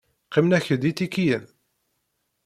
Qqimen-ak-d itikiyen?